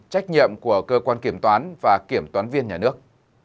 trách nhiệm của cơ quan kiểm toán và kiểm toán viên nhà nước